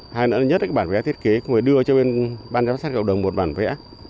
hay nữa nhất là cái bản vẽ thiết kế cũng phải đưa cho bên ban giám sát cộng đồng một bản vẽ